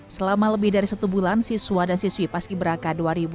selama lebih dari satu bulan siswa dan siswi paski beraka dua ribu dua puluh